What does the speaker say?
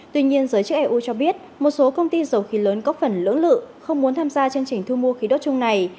tuy nhiên giới chức eu cho biết một số công ty dầu khí lớn có phần lưỡng lự không muốn tham gia chương trình thu mua khí đốt chung này